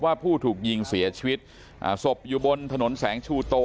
ผู้ถูกยิงเสียชีวิตอ่าศพอยู่บนถนนแสงชูโต